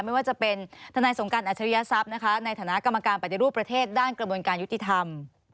ไม่ว่าจะเป็นทนายสงการอัจฉริยทรัพย์นะคะในฐานะกรรมการปฏิรูปประเทศด้านกระบวนการยุติธรรม